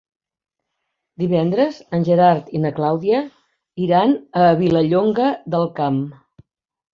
Divendres en Gerard i na Clàudia iran a Vilallonga del Camp.